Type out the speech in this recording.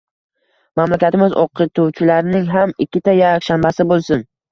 Mamlakatimiz o‘qituvchilarining ham ikkita yakshanbasi bo’lsin.